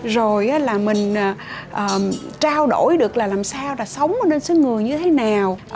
rồi là mình trao đổi được là làm sao là sống lên sứ người như thế nào